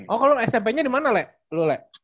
oh kalau smp nya dimana lea lu lea